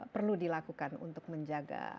perlu dilakukan untuk menjaga